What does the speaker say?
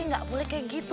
enggak boleh kayak gitu